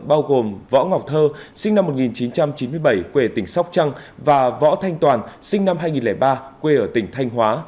bao gồm võ ngọc thơ sinh năm một nghìn chín trăm chín mươi bảy quê tỉnh sóc trăng và võ thanh toàn sinh năm hai nghìn ba quê ở tỉnh thanh hóa